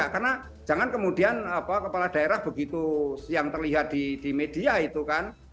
karena jangan kemudian kepala daerah begitu yang terlihat di media itu kan